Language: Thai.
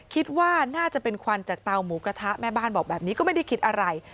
คิดว่าน่าจะเป็นควันจากเตาหมูกระทะแม่บ้านบอกแบบนี้ก็ไม่ได้คิดอะไร